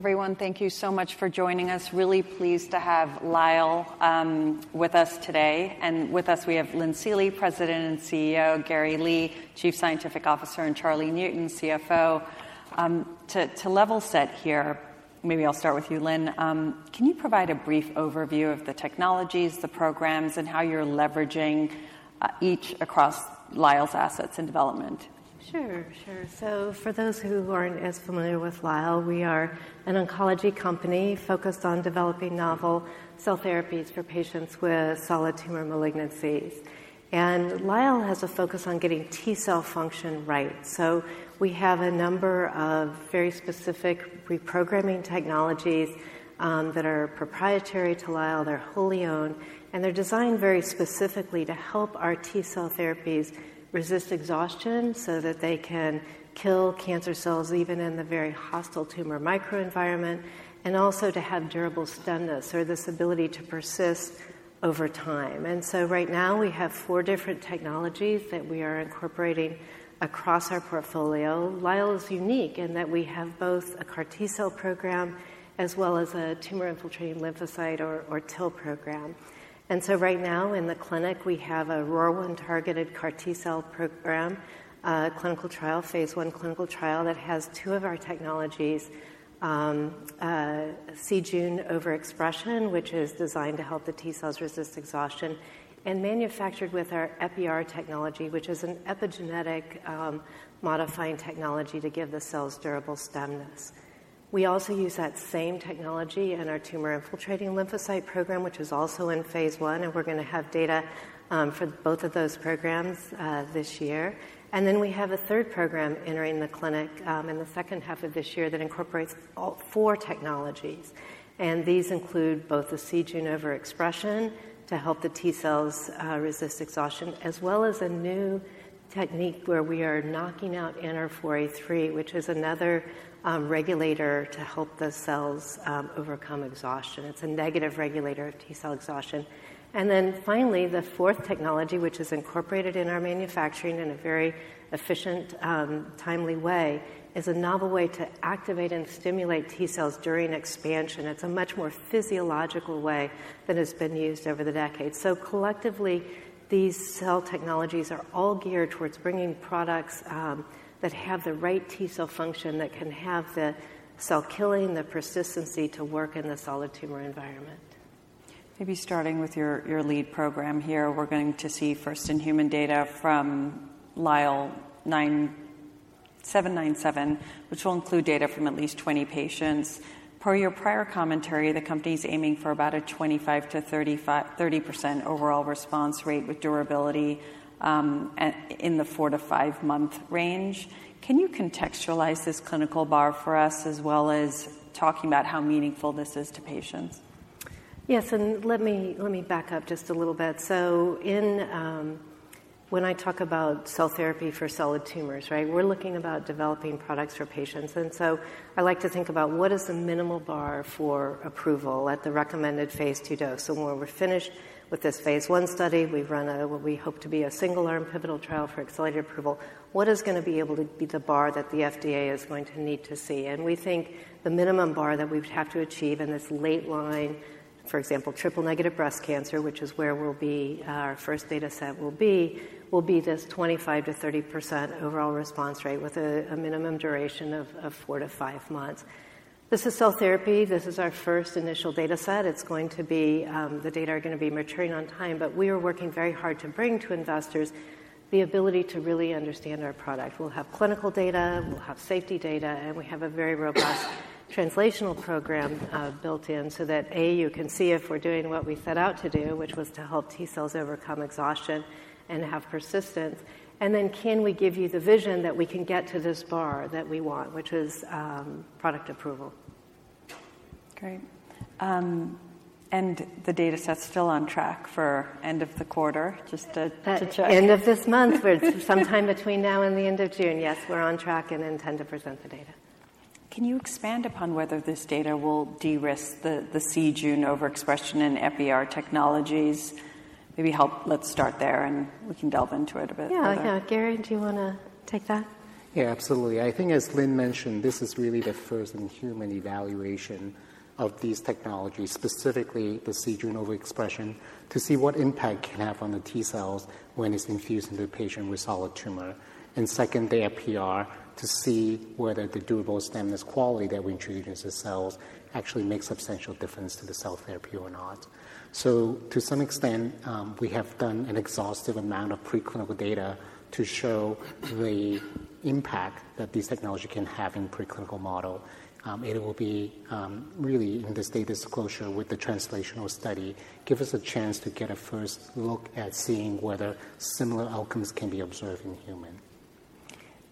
Everyone, thank you so much for joining us. Really pleased to have Lyell with us today. With us, we have Lynn Seely, President and CEO, Gary Lee, Chief Scientific Officer, and Charlie Newton, CFO. To level set here, maybe I'll start with you, Lynn. Can you provide a brief overview of the technologies, the programs, and how you're leveraging each across Lyell's assets and development? Sure, sure. So for those who aren't as familiar with Lyell, we are an oncology company focused on developing novel cell therapies for patients with solid tumor malignancies. And Lyell has a focus on getting T cell function right. So we have a number of very specific reprogramming technologies that are proprietary to Lyell. They're wholly owned, and they're designed very specifically to help our T cell therapies resist exhaustion so that they can kill cancer cells, even in the very hostile tumor microenvironment, and also to have durable stemness or this ability to persist over time. And so right now, we have four different technologies that we are incorporating across our portfolio. Lyell is unique in that we have both a CAR T cell program as well as a Tumor-Infiltrating Lymphocyte or TIL program. Right now, in the clinic, we have a ROR1-targeted CAR T cell program, clinical trial, phase 1 clinical trial, that has two of our technologies, c-Jun overexpression, which is designed to help the T cells resist exhaustion and manufactured with our Epi-R technology, which is an epigenetic modifying technology to give the cells durable stemness. We also use that same technology in our tumor-infiltrating lymphocyte program, which is also in phase 1, and we're going to have data for both of those programs this year. And then we have a third program entering the clinic in the second half of this year that incorporates all four technologies. These include both the c-Jun overexpression to help the T cells resist exhaustion, as well as a new technique where we are knocking out NR4A3, which is another regulator to help the cells overcome exhaustion. It's a negative regulator of T cell exhaustion. And then finally, the fourth technology, which is incorporated in our manufacturing in a very efficient, timely way, is a novel way to activate and stimulate T cells during expansion. It's a much more physiological way than has been used over the decades. Collectively, these cell technologies are all geared towards bringing products that have the right T cell function, that can have the cell killing, the persistency to work in the solid tumor environment. Maybe starting with your lead program here, we're going to see first-in-human data from LYL797, which will include data from at least 20 patients. Per your prior commentary, the company's aiming for about a 25%-30% overall response rate, with durability in the 4-5 month range. Can you contextualize this clinical bar for us, as well as talking about how meaningful this is to patients? Yes, and let me back up just a little bit. So, when I talk about cell therapy for solid tumors, right? We're looking about developing products for patients. So I like to think about what is the minimal bar for approval at the recommended phase 2 dose. So when we're finished with this phase 1 study, we've run what we hope to be a single-arm pivotal trial for accelerated approval. What is going to be able to be the bar that the FDA is going to need to see? And we think the minimum bar that we'd have to achieve in this late line, for example, triple-negative breast cancer, which is where we'll be, our first dataset will be this 25%-30% overall response rate with a minimum duration of 4-5 months. This is cell therapy. This is our first initial dataset. It's going to be, the data are going to be maturing on time, but we are working very hard to bring to investors the ability to really understand our product. We'll have clinical data, we'll have safety data, and we have a very robust translational program, built in, so that, A, you can see if we're doing what we set out to do, which was to help T cells overcome exhaustion and have persistence. And then, can we give you the vision that we can get to this bar that we want, which is, product approval? Great. And the dataset's still on track for end of the quarter, just to check? End of this month. Sometime between now and the end of June. Yes, we're on track and intend to present the data. Can you expand upon whether this data will de-risk the c-Jun overexpression and Epi-R technologies? Maybe help... Let's start there, and we can delve into it a bit further. Yeah. Gary, do you want to take that? Yeah, absolutely. I think, as Lynn mentioned, this is really the first in-human evaluation of these technologies, specifically the c-Jun overexpression, to see what impact it can have on the T cells when it's infused into a patient with solid tumor. And second, the Epi-R, to see whether the durable stemness quality that we introduce the cells actually makes substantial difference to the cell therapy or not. So to some extent, we have done an exhaustive amount of preclinical data to show the impact that this technology can have in preclinical model. It will be, really, in this data disclosure with the translational study, give us a chance to get a first look at seeing whether similar outcomes can be observed in human. What types-- Go ahead.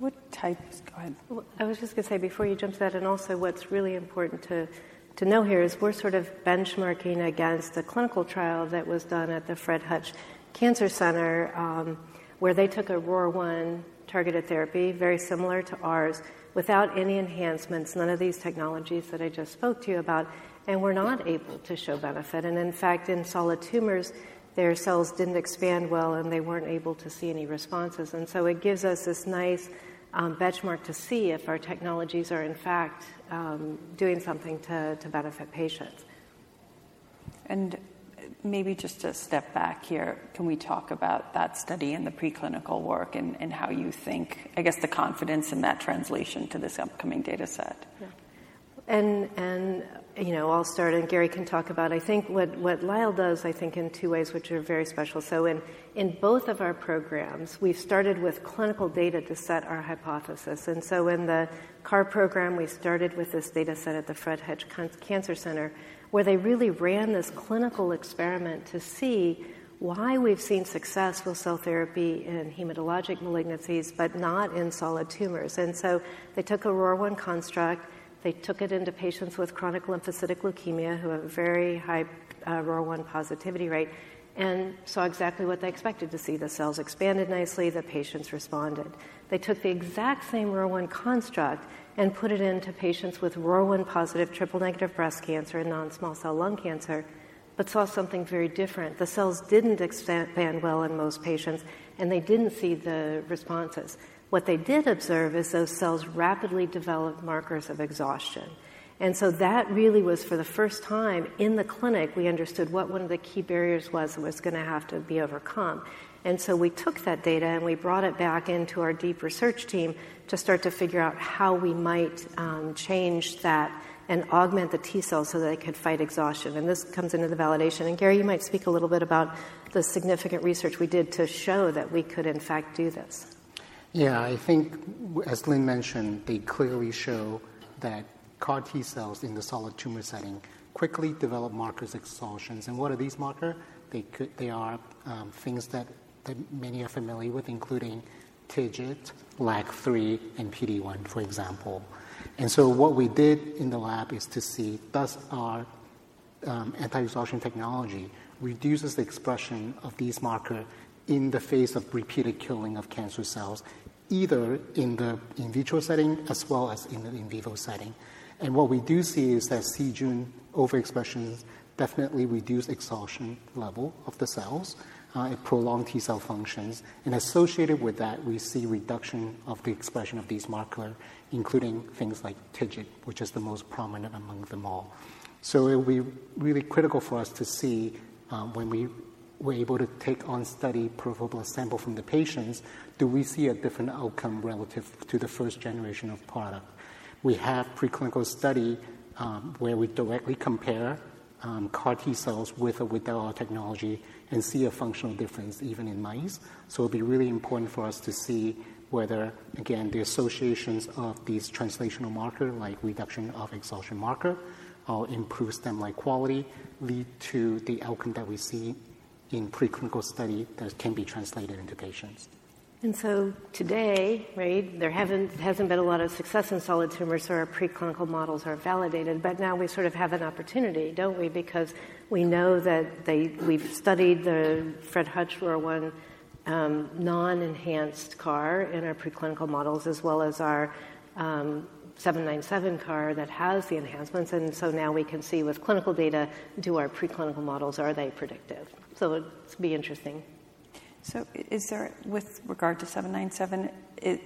I was just gonna say, before you jump to that, and also what's really important to know here is we're sort of benchmarking against the clinical trial that was done at the Fred Hutch Cancer Center, where they took a ROR1 targeted therapy, very similar to ours, without any enhancements, none of these technologies that I just spoke to you about, and were not able to show benefit. And in fact, in solid tumors, their cells didn't expand well, and they weren't able to see any responses. And so it gives us this nice benchmark to see if our technologies are, in fact, doing something to benefit patients. Maybe just to step back here, can we talk about that study and the preclinical work and how you think, I guess, the confidence in that translation to this upcoming data set? Yeah. And, and, you know, I'll start, and Gary can talk about. I think what Lyell does, I think in two ways, which are very special. So in, in both of our programs, we've started with clinical data to set our hypothesis. And so in the CAR program, we started with this data set at the Fred Hutch Cancer Center, where they really ran this clinical experiment to see why we've seen success with cell therapy in hematologic malignancies, but not in solid tumors. And so they took a ROR1 construct, they took it into patients with chronic lymphocytic leukemia, who have a very high ROR1 positivity rate, and saw exactly what they expected to see. The cells expanded nicely, the patients responded. They took the exact same ROR1 construct and put it into patients with ROR1-positive triple-negative breast cancer and non-small cell lung cancer, but saw something very different. The cells didn't expand well in most patients, and they didn't see the responses. What they did observe is those cells rapidly developed markers of exhaustion. And so that really was, for the first time in the clinic, we understood what one of the key barriers was that was gonna have to be overcome. And so we took that data, and we brought it back into our deep research team to start to figure out how we might change that and augment the T cells so that they could fight exhaustion. And this comes into the validation. And, Gary, you might speak a little bit about the significant research we did to show that we could in fact do this. Yeah, I think as Lynn mentioned, they clearly show that CAR T cells in the solid tumor setting quickly develop markers of exhaustion. And what are these markers? They are things that many are familiar with, including TIGIT, LAG-3, and PD-1, for example. And so what we did in the lab is to see, does our anti-exhaustion technology reduce the expression of these markers in the face of repeated killing of cancer cells, either in the in vitro setting as well as in an in vivo setting? And what we do see is that c-Jun overexpression definitely reduces exhaustion levels of the cells. It prolongs T cell functions, and associated with that, we see reduction of the expression of these markers, including things like TIGIT, which is the most prominent among them all. So it will be really critical for us to see, when we were able to take on study evaluable sample from the patients, do we see a different outcome relative to the first generation of product? We have preclinical study, where we directly compare, CAR T cells with or without our technology and see a functional difference even in mice. So it'll be really important for us to see whether, again, the associations of these translational marker, like reduction of exhaustion marker, improves them, like quality, lead to the outcome that we see in preclinical study that can be translated into patients. So today, right, there hasn't been a lot of success in solid tumors, so our preclinical models are validated, but now we sort of have an opportunity, don't we? Because we know that they... We've studied the Fred Hutch ROR1 non-enhanced CAR in our preclinical models, as well as our 797 CAR that has the enhancements. And so now we can see with clinical data, do our preclinical models, are they predictive? So it'll be interesting. So, is there, with regard to seven nine seven,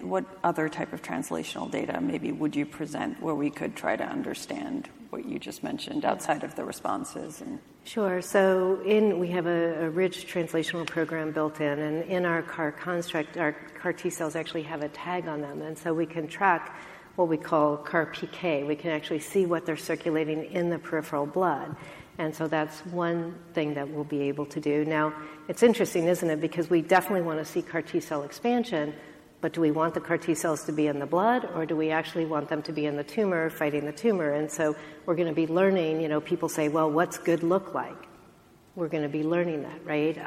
what other type of translational data maybe would you present where we could try to understand what you just mentioned outside of the responses and-? Sure. So we have a rich translational program built in, and in our CAR construct, our CAR T cells actually have a tag on them, and so we can track what we call CAR PK. We can actually see what they're circulating in the peripheral blood. And so that's one thing that we'll be able to do. Now, it's interesting, isn't it? Because we definitely want to see CAR T cell expansion, but do we want the CAR T cells to be in the blood, or do we actually want them to be in the tumor, fighting the tumor? And so we're gonna be learning, you know, people say, "Well, what's good look like?" We're gonna be learning that, right,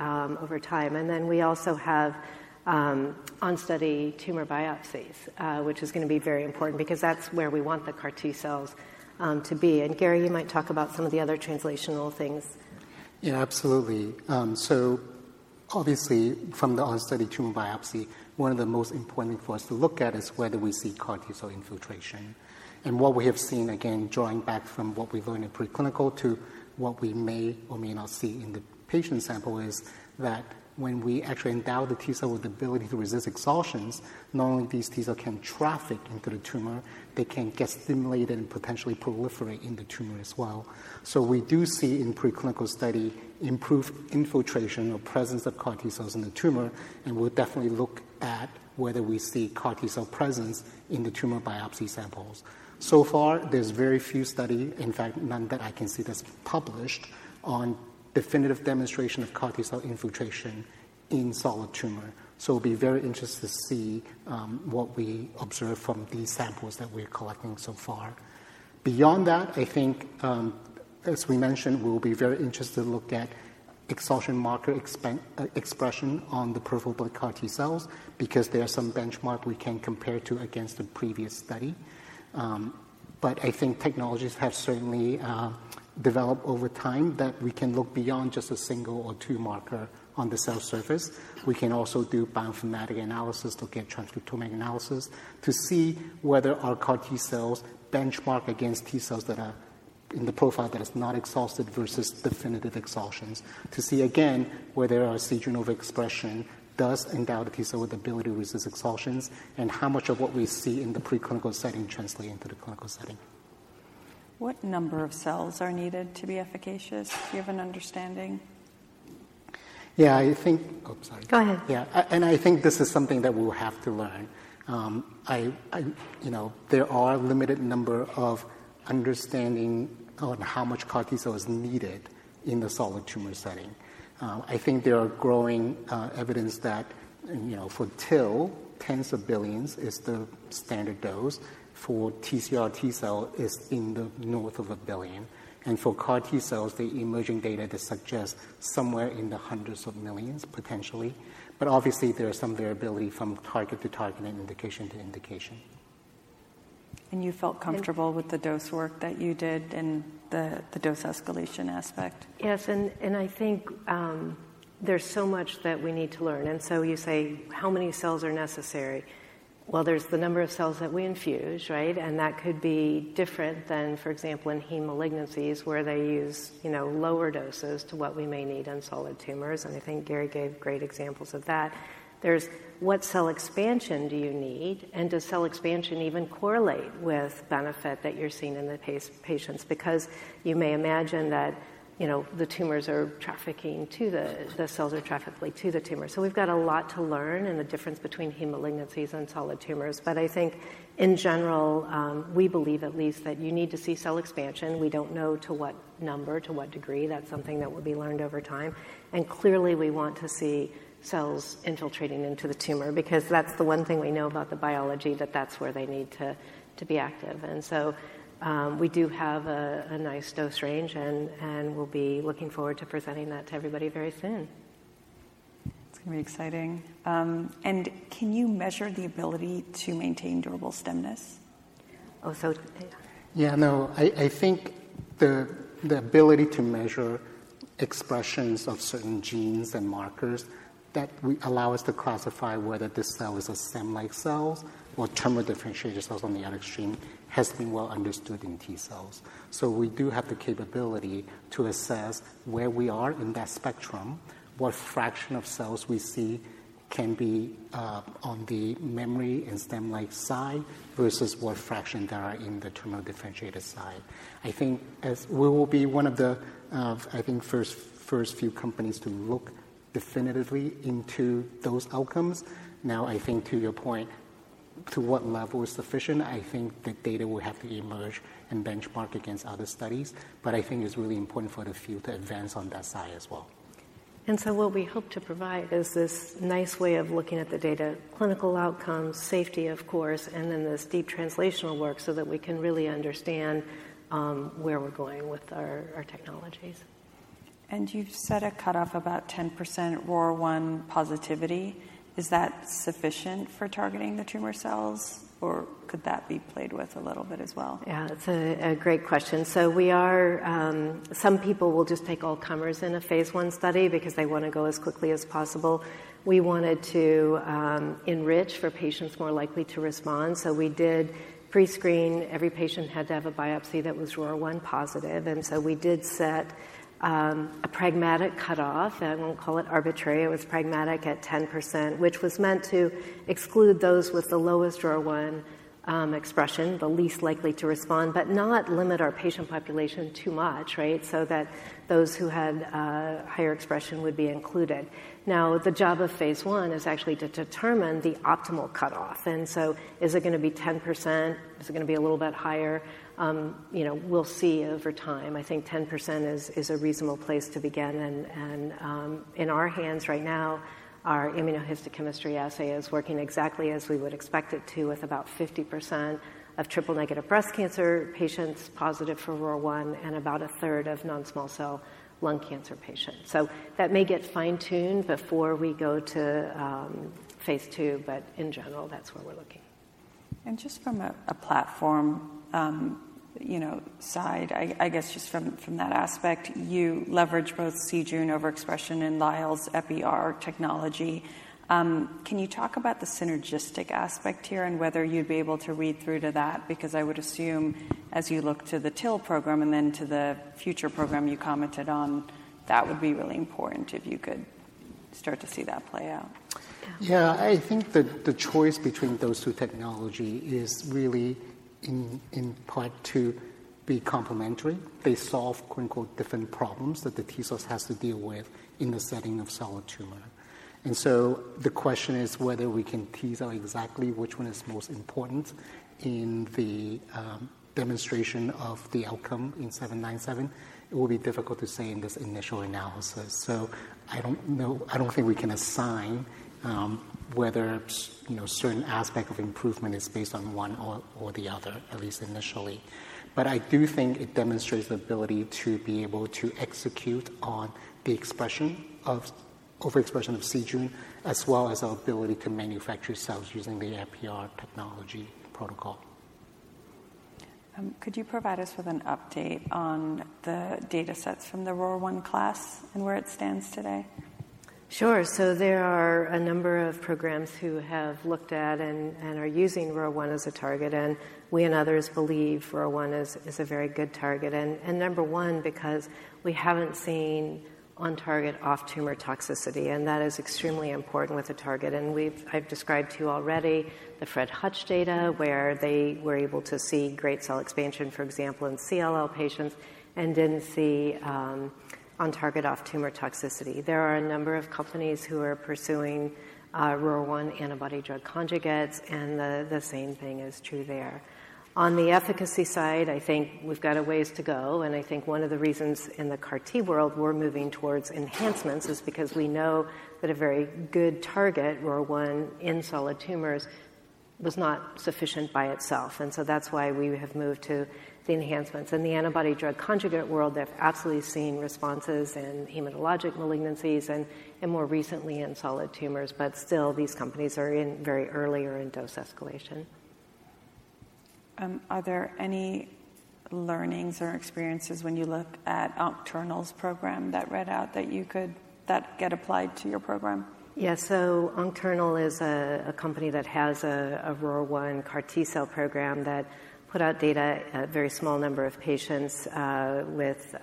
over time. And then we also have on study tumor biopsies, which is gonna be very important because that's where we want the CAR T cells to be. And, Gary, you might talk about some of the other translational things. Yeah, absolutely. So obviously from the on study tumor biopsy, one of the most important for us to look at is whether we see CAR T-cell infiltration. What we have seen, again, drawing back from what we've learned in preclinical to what we may or may not see in the patient sample, is that when we actually endow the T-cell with the ability to resist exhaustion, not only these T-cell can traffic into the tumor, they can get stimulated and potentially proliferate in the tumor as well. So we do see in preclinical study, improved infiltration or presence of CAR T-cells in the tumor, and we'll definitely look at whether we see CAR T-cell presence in the tumor biopsy samples. So far, there's very few studies, in fact, none that I can see that's published, on definitive demonstration of CAR T cell infiltration in solid tumor. So it'll be very interesting to see what we observe from these samples that we're collecting so far. Beyond that, I think, as we mentioned, we'll be very interested to look at exhaustion marker expression on the peripheral blood CAR T cells because there are some benchmarks we can compare to against the previous study. But I think technologies have certainly developed over time that we can look beyond just a single or two markers on the cell surface. We can also do bioinformatic analysis, look at transcriptomic analysis, to see whether our CAR T-cells benchmark against T-cells that are in the profile that is not exhausted versus definitive exhaustions, to see again, whether our c-Jun overexpression does endow the T-cell with the ability to resist exhaustions and how much of what we see in the preclinical setting translate into the clinical setting. What number of cells are needed to be efficacious? Do you have an understanding?... Yeah. Oh, sorry. Go ahead. Yeah. And I think this is something that we'll have to learn. You know, there are a limited number of understanding on how much CAR T-cell is needed in the solid tumor setting. I think there are growing evidence that, you know, for TIL, tens of billions is the standard dose. For TCR T-cell is in the north of a billion, and for CAR T-cells, the emerging data to suggest somewhere in the hundreds of millions, potentially. But obviously, there is some variability from target to target and indication to indication. You felt comfortable with the dose work that you did and the dose escalation aspect? Yes, and, and I think, there's so much that we need to learn, and so you say: How many cells are necessary? Well, there's the number of cells that we infuse, right? And that could be different than, for example, in heme malignancies, where they use, you know, lower doses to what we may need on solid tumors, and I think Gary gave great examples of that. There's what cell expansion do you need, and does cell expansion even correlate with benefit that you're seeing in the patients? Because you may imagine that, you know, the tumors are trafficking to the-- the cells are trafficking to the tumor. So we've got a lot to learn in the difference between heme malignancies and solid tumors. But I think in general, we believe at least that you need to see cell expansion. We don't know to what number, to what degree. That's something that will be learned over time. Clearly, we want to see cells infiltrating into the tumor because that's the one thing we know about the biology, that that's where they need to be active. So, we do have a nice dose range, and we'll be looking forward to presenting that to everybody very soon. It's gonna be exciting. Can you measure the ability to maintain durable stemness? Oh, so... Yeah, no. I think the ability to measure expressions of certain genes and markers that allow us to classify whether this cell is a stem-like cells or terminal differentiated cells on the other extreme has been well understood in T-cells. So we do have the capability to assess where we are in that spectrum, what fraction of cells we see can be on the memory and stem-like side versus what fraction that are in the terminal differentiated side. I think as we will be one of the first few companies to look definitively into those outcomes. Now, I think to your point, to what level is sufficient, I think the data will have to emerge and benchmark against other studies, but I think it's really important for the field to advance on that side as well. And so what we hope to provide is this nice way of looking at the data, clinical outcomes, safety, of course, and then this deep translational work so that we can really understand where we're going with our technologies. You've set a cutoff about 10% ROR1 positivity. Is that sufficient for targeting the tumor cells, or could that be played with a little bit as well? Yeah, it's a great question. So we are. Some people will just take all comers in a phase I study because they wanna go as quickly as possible. We wanted to enrich for patients more likely to respond, so we did pre-screen. Every patient had to have a biopsy that was ROR1 positive, and so we did set a pragmatic cutoff, and we'll call it arbitrary. It was pragmatic at 10%, which was meant to exclude those with the lowest ROR1 expression, the least likely to respond, but not limit our patient population too much, right? So that those who had higher expression would be included. Now, the job of phase I is actually to determine the optimal cutoff, and so is it gonna be 10%? Is it gonna be a little bit higher? You know, we'll see over time. I think 10% is a reasonable place to begin, and in our hands right now, our immunohistochemistry assay is working exactly as we would expect it to, with about 50% of triple-negative breast cancer patients positive for ROR1, and about a third of non-small cell lung cancer patients. So that may get fine-tuned before we go to phase II, but in general, that's where we're looking. Just from a platform, you know, side, I guess just from that aspect, you leverage both c-Jun overexpression and Lyell's Epi-R technology. Can you talk about the synergistic aspect here and whether you'd be able to read through to that? Because I would assume, as you look to the TIL program and then to the future program you commented on, that would be really important if you could start to see that play out. Yeah. Yeah, I think the choice between those two technology is really in part to be complementary. They solve, quote, unquote, "different problems" that the T-cells has to deal with in the setting of solid tumor. And so the question is whether we can tease out exactly which one is most important in the demonstration of the outcome in 797. It will be difficult to say in this initial analysis. So I don't know. I don't think we can assign whether, you know, certain aspect of improvement is based on one or the other, at least initially. But I do think it demonstrates the ability to be able to execute on the expression of... overexpression of c-Jun, as well as our ability to manufacture cells using the Epi-R technology protocol. Could you provide us with an update on the datasets from the ROR1 class and where it stands today? Sure. So there are a number of programs who have looked at and are using ROR1 as a target, and we and others believe ROR1 is a very good target. And number one, because we haven't seen on-target off-tumor toxicity, and that is extremely important with the target. And I've described to you already the Fred Hutch data, where they were able to see great cell expansion, for example, in CLL patients... and didn't see on-target off-tumor toxicity. There are a number of companies who are pursuing ROR1 antibody drug conjugates, and the same thing is true there. On the efficacy side, I think we've got a ways to go, and I think one of the reasons in the CAR T world we're moving towards enhancements is because we know that a very good target, ROR1 in solid tumors, was not sufficient by itself, and so that's why we have moved to the enhancements. In the antibody drug conjugate world, they've absolutely seen responses in hematologic malignancies and more recently in solid tumors, but still, these companies are in very early or in dose escalation. Are there any learnings or experiences when you look at Oncternal's program that read out that get applied to your program? Yeah. So Oncternal is a company that has a ROR1 CAR T cell program that put out data, a very small number of patients, with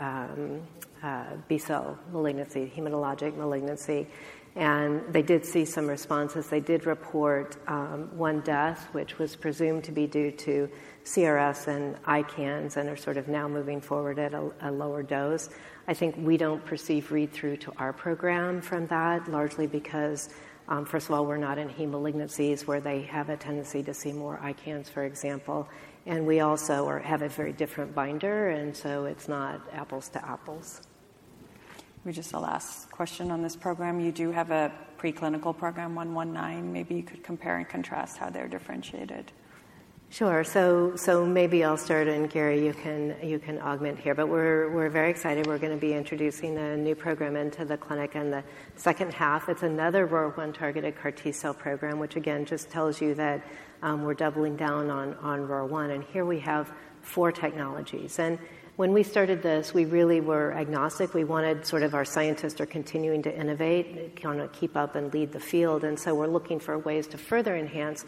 B-cell malignancy, hematologic malignancy, and they did see some responses. They did report one death, which was presumed to be due to CRS and ICANS, and are sort of now moving forward at a lower dose. I think we don't perceive read-through to our program from that, largely because, first of all, we're not in heme malignancies, where they have a tendency to see more ICANS, for example, and we also have a very different binder, and so it's not apples to apples. Let me just the last question on this program. You do have a preclinical program, LYL119. Maybe you could compare and contrast how they're differentiated. Sure. So maybe I'll start, and Gary, you can augment here. But we're very excited. We're gonna be introducing a new program into the clinic in the second half. It's another ROR1-targeted CAR T cell program, which again, just tells you that we're doubling down on on ROR1, and here we have four technologies. And when we started this, we really were agnostic. We wanted sort of our scientists are continuing to innovate, kinda keep up and lead the field, and so we're looking for ways to further enhance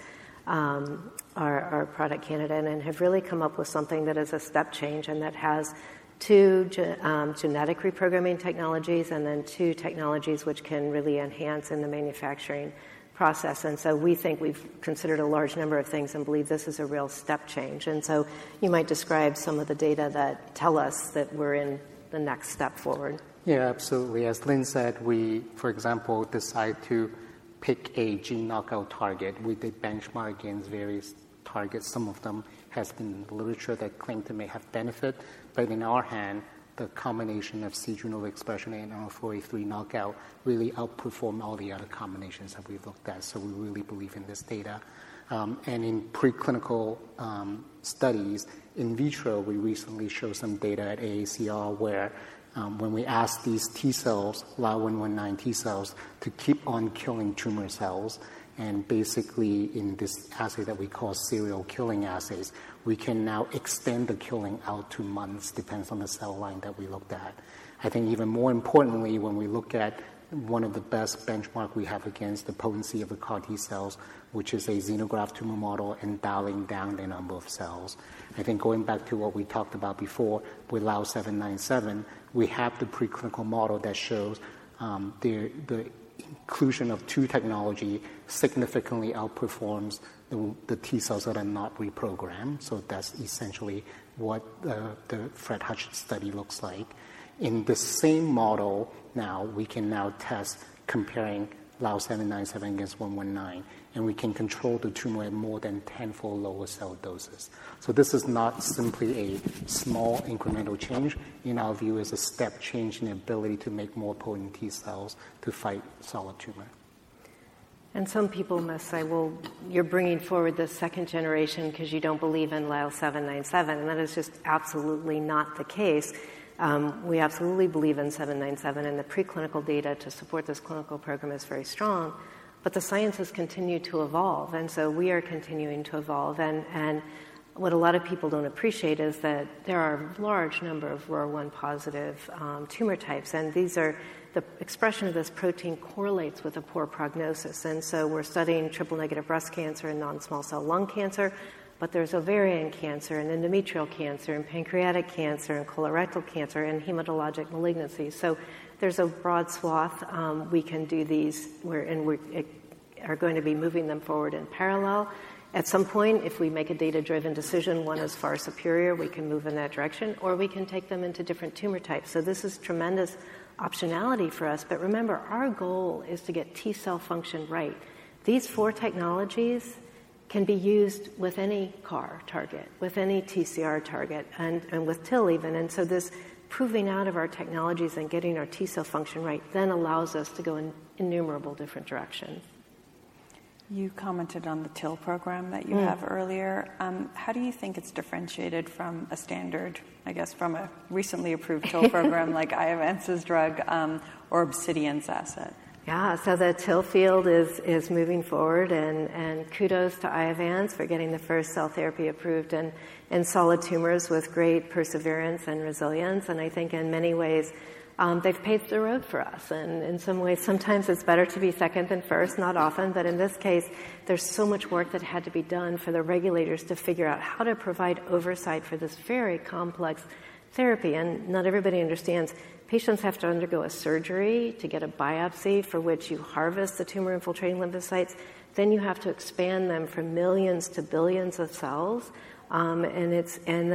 our product candidate and have really come up with something that is a step change and that has two genetic reprogramming technologies and then two technologies which can really enhance in the manufacturing process. And so we think we've considered a large number of things and believe this is a real step change. And so you might describe some of the data that tell us that we're in the next step forward. Yeah, absolutely. As Lynn said, we, for example, decide to pick a gene knockout target. We did benchmark against various targets. Some of them has been literature that claim they may have benefit, but in our hand, the combination of c-Jun overexpression and NR4A3 knockout really outperform all the other combinations that we've looked at. So we really believe in this data. And in preclinical studies, in vitro, we recently showed some data at AACR, where, when we ask these T cells, LYL119 T cells, to keep on killing tumor cells, and basically in this assay that we call serial killing assays, we can now extend the killing out to months, depends on the cell line that we looked at. I think even more importantly, when we look at one of the best benchmark we have against the potency of the CAR T cells, which is a xenograft tumor model and dialing down the number of cells. I think going back to what we talked about before with LYL797, we have the preclinical model that shows the inclusion of two technology significantly outperforms the T cells that are not reprogrammed. So that's essentially what the Fred Hutch study looks like. In the same model, now, we can now test comparing LYL797 against LYL119, and we can control the tumor at more than tenfold lower cell doses. So this is not simply a small incremental change. In our view, it's a step change in ability to make more potent T cells to fight solid tumor. And some people must say, "Well, you're bringing forward the second generation 'cause you don't believe in LYL797," and that is just absolutely not the case. We absolutely believe in LYL797, and the preclinical data to support this clinical program is very strong, but the science has continued to evolve, and so we are continuing to evolve. And what a lot of people don't appreciate is that there are large number of ROR1-positive tumor types, and these are. The expression of this protein correlates with a poor prognosis. And so we're studying triple-negative breast cancer and non-small cell lung cancer, but there's ovarian cancer and endometrial cancer and pancreatic cancer and colorectal cancer and hematologic malignancies. So there's a broad swath. We can do these, and we are going to be moving them forward in parallel. At some point, if we make a data-driven decision, one is far superior, we can move in that direction, or we can take them into different tumor types. So this is tremendous optionality for us. But remember, our goal is to get T-cell function right. These four technologies can be used with any CAR target, with any TCR target, and, and with TIL even. And so this proving out of our technologies and getting our T-cell function right then allows us to go in innumerable different direction. You commented on the TIL program that you have earlier. Mm. How do you think it's differentiated from a standard, I guess, from a recently approved-... TIL program like Iovance's drug, or Obsidian's asset? Yeah, so the TIL field is moving forward, and kudos to Iovance for getting the first cell therapy approved in solid tumors with great perseverance and resilience, and I think in many ways, they've paved the road for us. And in some ways, sometimes it's better to be second than first, not often, but in this case, there's so much work that had to be done for the regulators to figure out how to provide oversight for this very complex therapy. And not everybody understands patients have to undergo a surgery to get a biopsy, for which you harvest the tumor-infiltrating lymphocytes, then you have to expand them from millions to billions of cells, and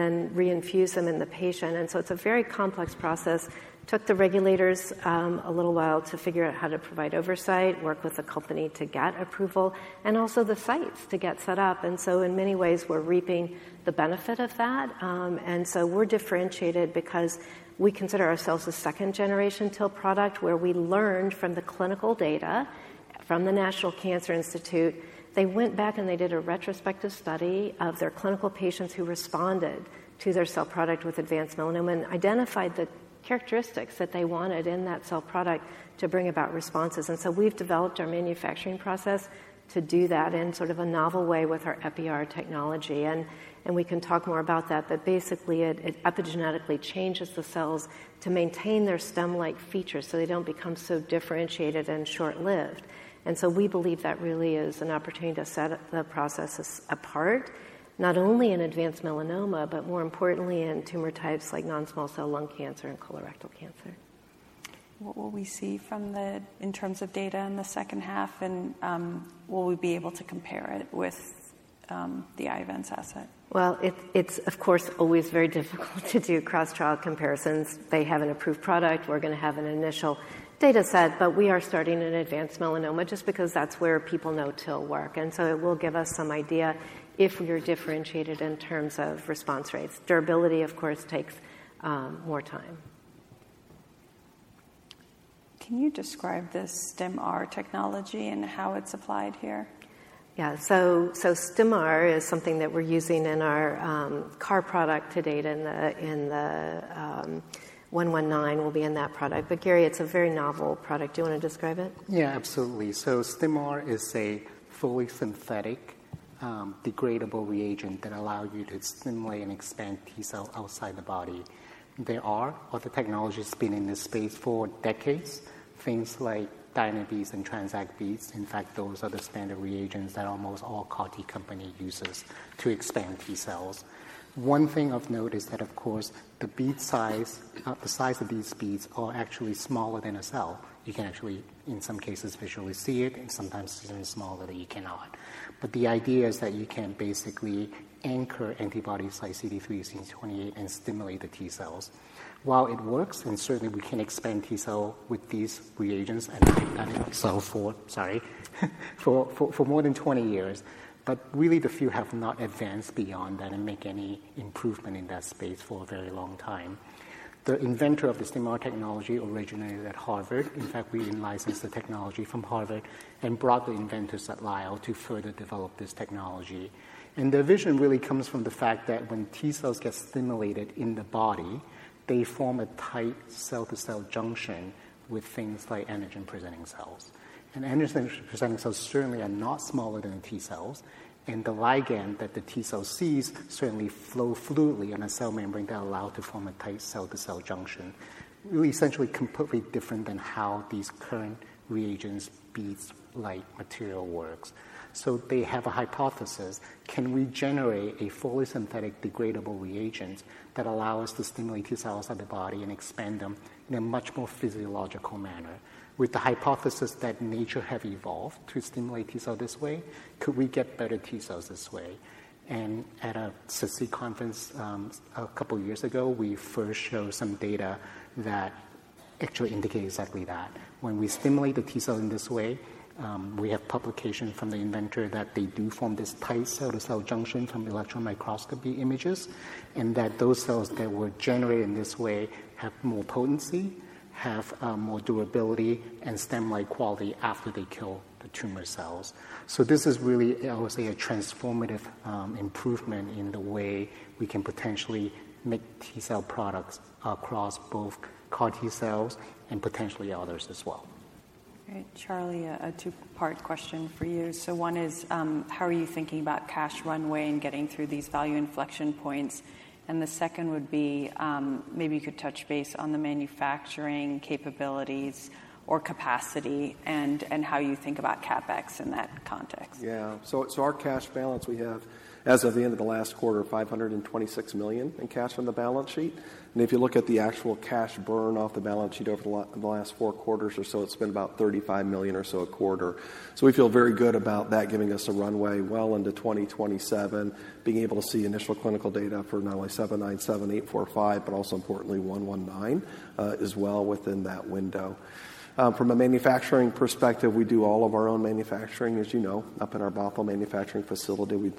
then reinfuse them in the patient. And so it's a very complex process. Took the regulators a little while to figure out how to provide oversight, work with the company to get approval, and also the sites to get set up. And so in many ways, we're reaping the benefit of that. And so we're differentiated because we consider ourselves a second-generation TIL product, where we learned from the National Cancer Institute, they went back, and they did a retrospective study of their clinical patients who responded to their cell product with advanced melanoma and identified the characteristics that they wanted in that cell product to bring about responses. And so we've developed our manufacturing process to do that in sort of a novel way with our Epi-R technology, and we can talk more about that. Basically, it epigenetically changes the cells to maintain their stem-like features, so they don't become so differentiated and short-lived. So we believe that really is an opportunity to set the processes apart, not only in advanced melanoma, but more importantly, in tumor types like non-small cell lung cancer and colorectal cancer. What will we see from the in terms of data in the second half, and will we be able to compare it with the Iovance asset? Well, it's, of course, always very difficult to do cross-trial comparisons. They have an approved product. We're gonna have an initial data set, but we are starting in advanced melanoma just because that's where people know TIL work, and so it will give us some idea if we are differentiated in terms of response rates. Durability, of course, takes more time. Can you describe the Stim-R technology and how it's applied here? Yeah. So, Stim-R is something that we're using in our CAR product to date, in the 119 it will be in that product. But Gary, it's a very novel product. Do you want to describe it? Yeah, absolutely. So Stim-R is a fully synthetic, degradable reagent that allow you to stimulate and expand T-cell outside the body. There are other technologies been in this space for decades, things like Dynabeads and TransAct beads. In fact, those are the standard reagents that almost all CAR T company uses to expand T-cells. One thing of note is that, of course, the bead size, the size of these beads are actually smaller than a cell. You can actually, in some cases, visually see it, and sometimes it's even smaller than that you cannot. But the idea is that you can basically anchor antibodies like CD3, CD28, and stimulate the T-cells. While it works, and certainly we can expand T-cell with these reagents and make that cell for more than 20 years. But really, the few have not advanced beyond that and make any improvement in that space for a very long time. The inventor of the Stim-R technology originated at Harvard. In fact, we in-licensed the technology from Harvard and brought the inventors at Lyell to further develop this technology. And the vision really comes from the fact that when T-cells get stimulated in the body, they form a tight cell-to-cell junction with things like antigen-presenting cells. And antigen-presenting cells certainly are not smaller than T-cells, and the ligand that the T-cell sees certainly flow fluidly on a cell membrane that allow to form a tight cell-to-cell junction. Really essentially completely different than how these current reagents, bead-like material works. So they have a hypothesis: Can we generate a fully synthetic degradable reagent that allow us to stimulate T-cells out of the body and expand them in a much more physiological manner? With the hypothesis that nature have evolved to stimulate T-cell this way, could we get better T-cells this way? At a CEC conference a couple of years ago, we first showed some data that actually indicate exactly that. When we stimulate the T-cell in this way, we have publication from the inventor that they do form this tight cell to cell junction from electron microscopy images, and that those cells that were generated in this way have more potency, have more durability and stem-like quality after they kill the tumor cells. So this is really, I would say, a transformative improvement in the way we can potentially make T-cell products across both CAR T-cells and potentially others as well. All right, Charlie, a two-part question for you. So one is, how are you thinking about cash runway and getting through these value inflection points? And the second would be, maybe you could touch base on the manufacturing capabilities or capacity and, and how you think about CapEx in that context. Yeah. So our cash balance we have, as of the end of the last quarter, $526 million in cash on the balance sheet. And if you look at the actual cash burn off the balance sheet over the last four quarters or so, it's been about $35 million or so a quarter. So we feel very good about that, giving us a runway well into 2027, being able to see initial clinical data for not only 797 845, but also importantly 119, as well within that window. From a manufacturing perspective, we do all of our own manufacturing, as you know. Up in our Bothell manufacturing facility, we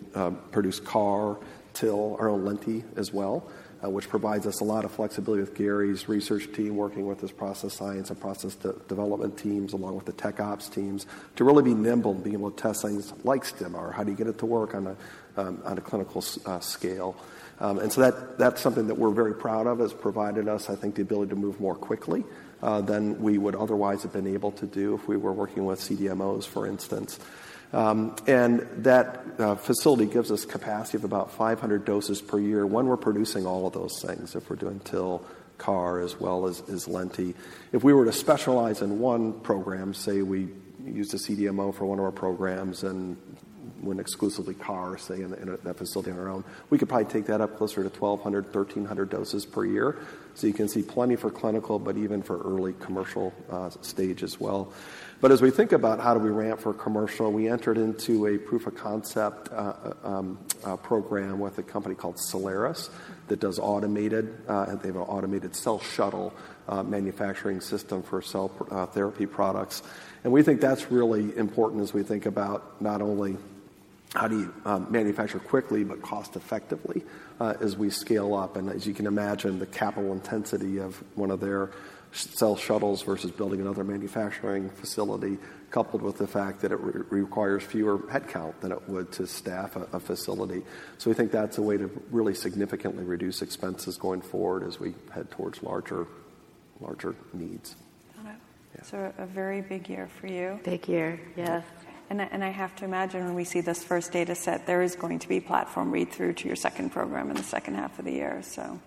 produce CAR, TIL, our own Lenti as well, which provides us a lot of flexibility with Gary's research team, working with his process science and process development teams, along with the tech ops teams, to really be nimble and be able to test things like Stim-R. How do you get it to work on a clinical scale? And so that, that's something that we're very proud of, has provided us, I think, the ability to move more quickly than we would otherwise have been able to do if we were working with CDMOs, for instance. And that facility gives us capacity of about 500 doses per year when we're producing all of those things, if we're doing TIL, CAR, as well as Lenti. If we were to specialize in one program, say, we used a CDMO for one of our programs and went exclusively CAR, say, in a facility on our own, we could probably take that up closer to 1,200, 1,300 doses per year. So you can see plenty for clinical, but even for early commercial stage as well. But as we think about how do we ramp for commercial, we entered into a proof of concept program with a company called Cellares, that does automated. They have an automated Cell Shuttle manufacturing system for cell therapy products. And we think that's really important as we think about not only how do you manufacture quickly but cost-effectively as we scale up. As you can imagine, the capital intensity of one of their Cell Shuttles versus building another manufacturing facility, coupled with the fact that it requires fewer headcount than it would to staff a facility. So we think that's a way to really significantly reduce expenses going forward as we head towards larger, larger needs. Got it. Yeah. A very big year for you. Big year, yeah. I have to imagine when we see this first data set, there is going to be platform read-through to your second program in the second half of the year, so.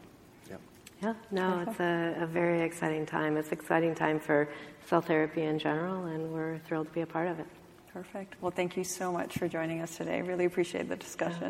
Yeah. Yeah. No, it's a very exciting time. It's exciting time for cell therapy in general, and we're thrilled to be a part of it. Perfect. Well, thank you so much for joining us today. Really appreciate the discussion.